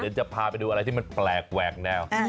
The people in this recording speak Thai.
เดี๋ยวจะพาไปดูอะไรที่มันแปลกแหวกแนว